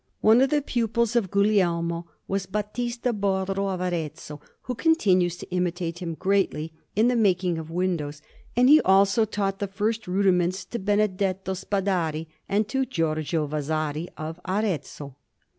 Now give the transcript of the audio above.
One of the pupils of Guglielmo was Battista Borro of Arezzo, who continues to imitate him greatly in the making of windows; and he also taught the first rudiments to Benedetto Spadari and to Giorgio Vasari of Arezzo.